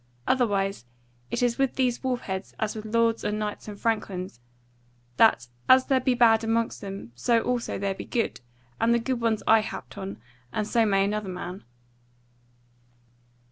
Otherwise it is with these wolfheads as with lords and knights and franklins, that as there be bad amongst them, so also there be good; and the good ones I happed on, and so may another man."